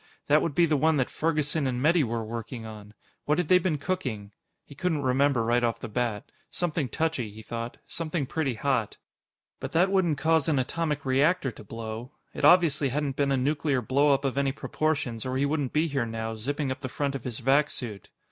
That would be the one that Ferguson and Metty were working on. What had they been cooking? He couldn't remember right off the bat. Something touchy, he thought; something pretty hot. But that wouldn't cause an atomic reactor to blow. It obviously hadn't been a nuclear blow up of any proportions, or he wouldn't be here now, zipping up the front of his vac suit.